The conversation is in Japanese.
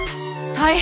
大変！